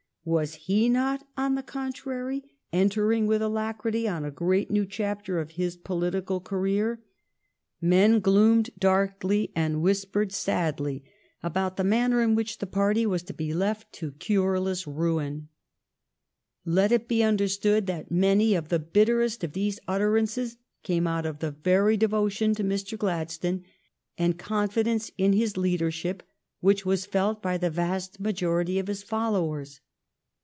was he not, on the contrary, entering with alacrity on a great new chapter of his political career .f^ Men gloomed darkly and whispered sadly about the 3IO THE STORY OF GLADSTONE'S LIFE manner in which the party was to be left to cureless ruin. Let it be understood that many of the bitterest of these utterances came out of the very devotion to Mr. Gladstone and con fidence in his leadership which were felt by the vast majority of his followers.